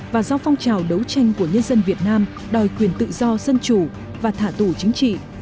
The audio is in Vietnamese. và do phong trào đấu tranh của nhân dân việt nam đòi quyền tự do dân chủ và thả tù chính trị